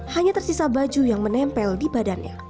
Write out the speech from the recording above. hanya tersisa baju yang menempel di badannya